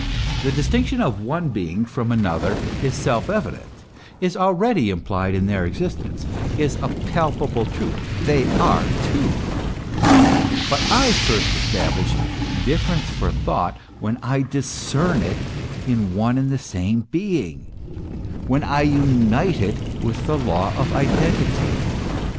The dis tinction of one being from another is self evident, is already implied in their existence, is a palpable truth : they are two. But I first establish difference for thought when I discern it in one and the same being, when I unite it with the law of identity.